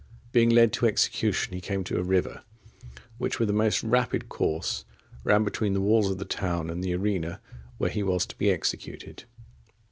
Being led to execution, he came to a river, which, with a most rapid course, ran between the wall of the town and the arena where he was to be executed.